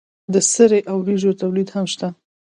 د سرې او وریجو تولید هم شته.